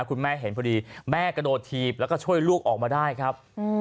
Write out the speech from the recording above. คุณแม่เห็นพอดีแม่กระโดดถีบแล้วก็ช่วยลูกออกมาได้ครับ